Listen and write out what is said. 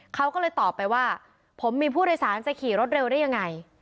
เขาก็เลยตอบไปว่าผมมีผู้โดยสารจะขี่รถเร็วได้ยังไง